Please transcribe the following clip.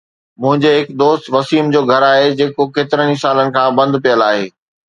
منهنجي هڪ دوست وسيم جو گهر آهي، جيڪو ڪيترن سالن کان بند پيل آهي.